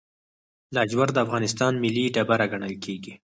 لاجورد د افغانستان ملي ډبره ګڼل کیږي.